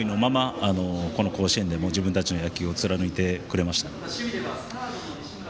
秋の勢いのままこの甲子園でも自分たちの野球を貫いてくれました。